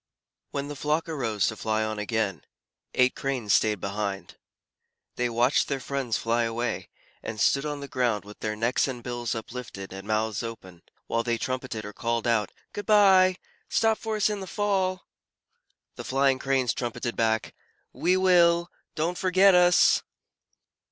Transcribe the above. When the flock arose to fly on again, eight Cranes stayed behind. They watched their friends fly away, and stood on the ground with their necks and bills uplifted and mouths open, while they trumpeted or called out, "Good bye! Stop for us in the fall!" The flying Cranes trumpeted back, "We will! Don't forget us!"